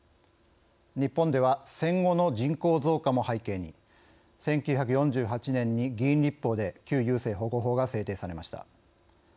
日本では戦後の人口増加も背景に１９４８年に議員立法で旧優生保護法が制定されました。